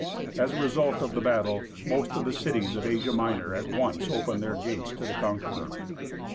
As a result of the battle, most of the cities of Asia Minor at once opened their gates to the conqueror.